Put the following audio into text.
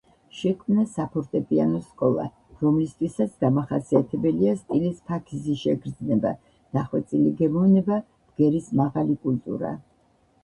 შექმნა საფორტეპიანო სკოლა, რომლისთვისაც დამახასიათებელია სტილის ფაქიზი შეგრძნება, დახვეწილი გემოვნება, ბგერის მაღალი კულტურა.